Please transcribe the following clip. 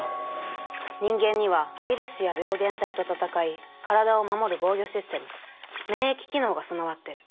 人間にはウイルスや病原体と闘い体を守る防御システム免疫機能が備わってる。